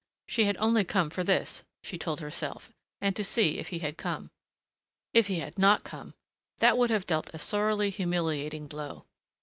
She had only come for this, she told herself and to see if he had come. If he had not come! That would have dealt a sorrily humiliating blow.